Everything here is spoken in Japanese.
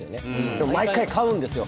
でも毎回買うんですよ